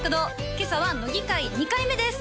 今朝は乃木回２回目です